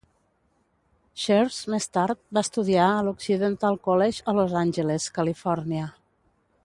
Shears, més tard, va estudiar a l'Occidental College a Los Angeles, Califòrnia.